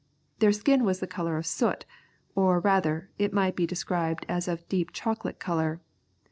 Their skin was the colour of soot, or rather, it might be described as of deep chocolate colour.